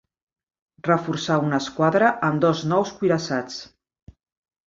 Reforçar una esquadra amb dos nous cuirassats.